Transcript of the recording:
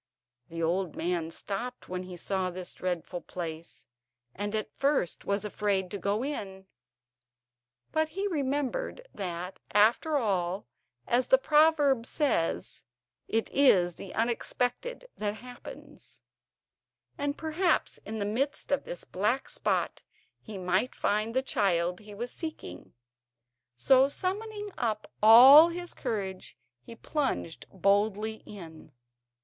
The old man stopped when he saw this dreadful place, and at first was afraid to go in; but he remembered that, after all, as the proverb says: "It is the unexpected that happens," and perhaps in the midst of this black spot he might find the child he was seeking. So summoning up all his courage he plunged boldly in.